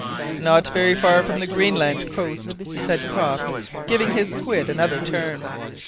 "Not very far from the Greenland coast," said Croft, giving his quid another turn.